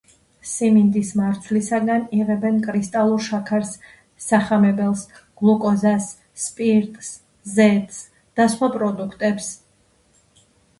სიმინდის მარცვლისაგან იღებენ კრისტალურ შაქარს, სახამებელს, გლუკოზას, სპირტს, ზეთს და სხვა პროდუქტებს.